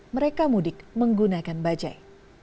mereka mudik menggunakan bajai